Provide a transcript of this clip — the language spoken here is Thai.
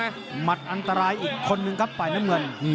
นี่ก็มัดอันตรายอีกคนหนึ่งครับป่าน้ำเงิน